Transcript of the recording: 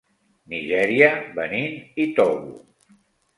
Nigèria, Benín i Togo.